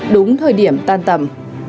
đúng thời điểm tan tầm